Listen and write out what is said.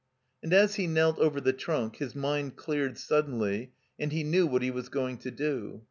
And as he knelt over the trunk his mind cleared suddenly, and he knew what he was going to do.